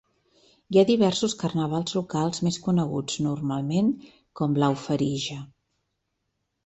Hi ha diversos carnavals locals més coneguts normalment com "laufarija".